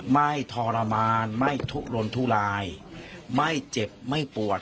ทรมานไม่ทุรนทุลายไม่เจ็บไม่ปวด